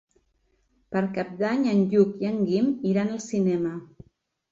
Per Cap d'Any en Lluc i en Guim iran al cinema.